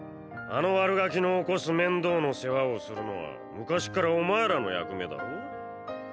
あの悪ガキの起こす面倒の世話をするのは昔っからお前らの役目だろ？